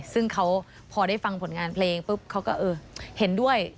ซึ่งเขาพอได้ฟังผลงานเพลงปุ๊บเขาก็เออเห็นด้วย